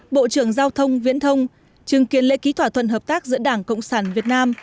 bộ trưởng giao thông viễn thông chứng kiến lễ ký thỏa thuận hợp tác giữa đảng cộng sản việt nam